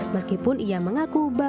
meskipun ia mengaku baru berusaha